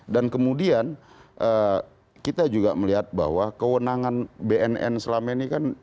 dan kemudian kita juga melihat bahwa kewenangan bnn selama ini kan